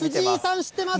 知ってます。